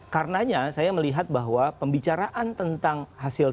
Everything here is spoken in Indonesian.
karenanya saya melihat bahwa pembicaraan tentang hasil survei